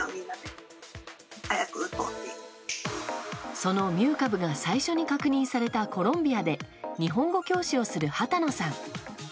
そのミュー株が最初に確認されたコロンビアで日本語教師をする羽田野さん。